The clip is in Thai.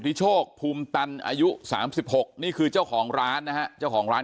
โชคภูมิตันอายุ๓๖นี่คือเจ้าของร้านนะฮะเจ้าของร้าน